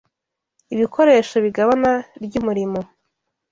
Ibikoresho bIgabana ry'umurimo